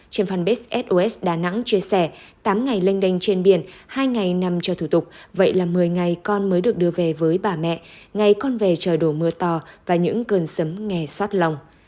trên fanpag sos đà nẵng chia sẻ tám ngày lênh đênh trên biển hai ngày nằm cho thủ tục vậy là một mươi ngày con mới được đưa về với bà mẹ ngày con về trời đổ mưa to và những cơn sấm nghe xót lòng